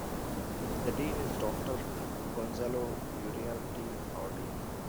The Dean is Doctor Gonzalo Uriarte Audi.